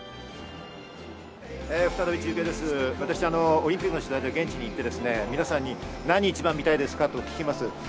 再び中継です、私は今、オリンピックの取材で現地に行って皆さんに何を一番に見たいですか？と聞きます。